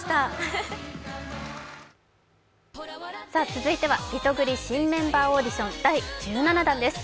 続いてはリトグリ新メンバーオーディション第１７弾です。